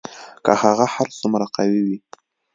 که هغه هر څومره قوي وي